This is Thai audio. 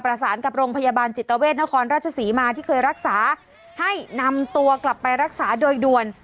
ประสานกับโรงพยาบาลจิตเวทนครราชศรีมาที่เคยรักษาให้นำตัวกลับไปรักษาโดยด่วน